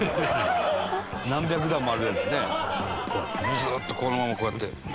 伊達：ずっとこのまま、こうやって。